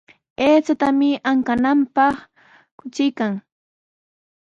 Aychatami ankananpaq kuchuykan.